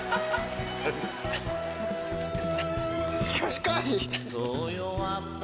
近い！